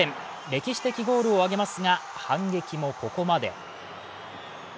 歴史的ゴールを挙げますが、反撃もここまで。